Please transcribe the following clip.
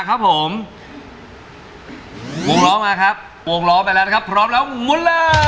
ได้อีกสองเหรียนะถ้ามัน